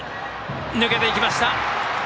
抜けていきました。